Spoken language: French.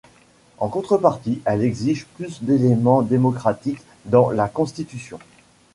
En contrepartie elle exige plus d'éléments démocratiques dans la constitution.